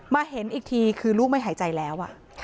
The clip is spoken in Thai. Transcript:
เห็นอีกทีคือลูกไม่หายใจแล้ว